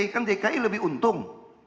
kan dki lebih untung